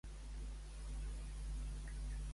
En quins equips va pertànyer?